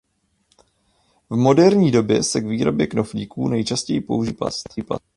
V moderní době se k výrobě knoflíků nejčastěji používá tvrdý plast.